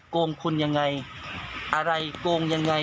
โกงคุณยังไงอะไรโกงยังไง